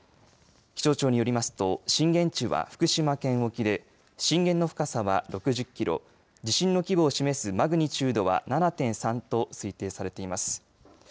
気象庁によりますと震源地は福島県沖で震源の深さは６０キロ地震の規模を示すマグニチュードは７．３と推定されています。